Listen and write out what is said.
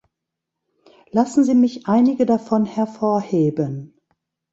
Lassen Sie mich einige davon hervorheben.